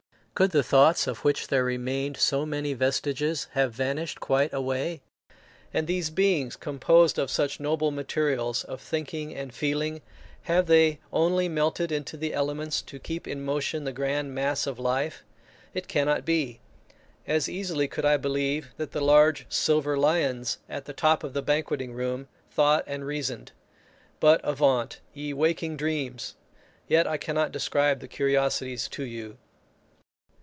Could the thoughts, of which there remained so many vestiges, have vanished quite away? And these beings, composed of such noble materials of thinking and feeling, have they only melted into the elements to keep in motion the grand mass of life? It cannot be! as easily could I believe that the large silver lions at the top of the banqueting room thought and reasoned. But avaunt! ye waking dreams! yet I cannot describe the curiosities to you.